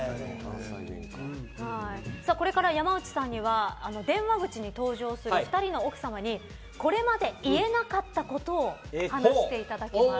これから山内さんには電話口に登場する２人の奥様にこれまで言えなかったことを話していただきます。